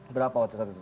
berapa waktu saat itu